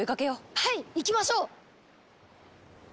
はい行きましょう！